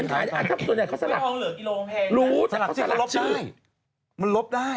อันที่สุดเนี่ยเค้าสลักรู้เค้าสลักชื่อมันลบได้มันลบได้